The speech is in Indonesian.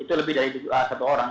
itu lebih dari satu orang